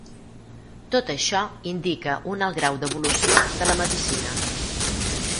Tot això indica un alt grau d'evolució de la medicina.